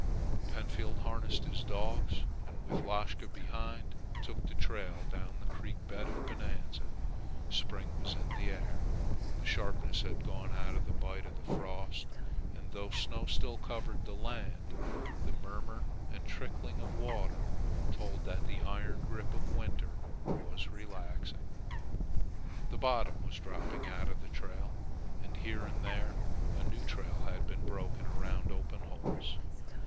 Pentfield harnessed his dogs, and with Lashka behind took the trail down the creek bed of Bonanza. Spring was in the air. The sharpness had gone out of the bite of the frost and though snow still covered the land, the murmur and trickling of water told that the iron grip of winter was relaxing. The bottom was dropping out of the trail, and here and there a new trail had been broken around open holes.